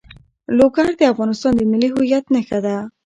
لوگر د افغانستان د ملي هویت نښه ده.